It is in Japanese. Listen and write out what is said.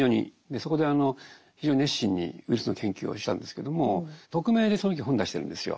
そこで非常に熱心にウイルスの研究をしてたんですけども匿名でその時本を出してるんですよ。